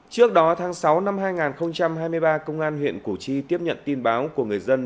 trước đó tháng sáu năm hai nghìn hai mươi ba công an huyện củ chi tiếp nhận tin báo của người dân